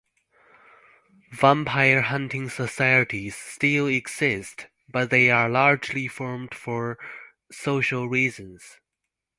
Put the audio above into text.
Vampire hunting societies still exist, but they are largely formed for social reasons.